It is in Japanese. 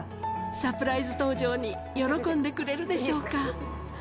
サプライズ登場に喜んでくれるでしょうか。